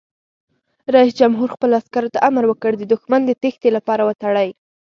رئیس جمهور خپلو عسکرو ته امر وکړ؛ د دښمن د تیښتې لارې وتړئ!